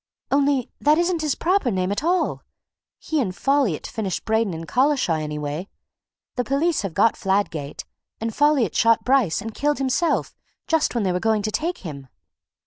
Only that isn't his proper name at all. He and Folliot finished Braden and Collishaw, anyway. The police have got Fladgate, and Folliot shot Bryce and killed himself just when they were going to take him."